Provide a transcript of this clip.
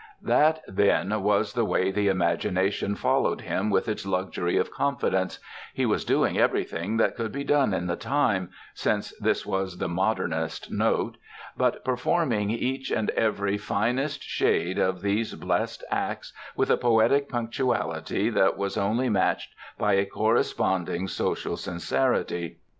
That, then, was the way the imagination followed him with its luxury of confidence: he was doing everything that could be done in the time (since this was the modernest note), but performing each and every finest shade of these blest acts with a poetic punctuality that was only matched by a corresponding social sincerity.